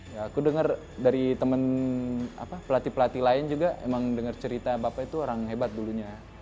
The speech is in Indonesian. ya aku dengar dari teman pelatih pelatih lain juga emang dengar cerita bapak itu orang hebat dulunya